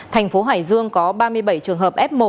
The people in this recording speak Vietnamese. thành phố hải dương có ba mươi bảy trường hợp f một